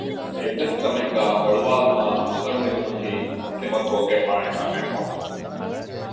އެއްވެސްކަމެއްގައި އޮޅުވައިލުމާއި މަކަރުހެދުމަކީ މުސްލިމަކު ކޮށްގެންވާނެކަމެއްނޫން